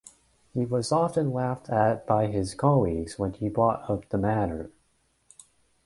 He was often laughed at by his colleagues when he brought up the matter.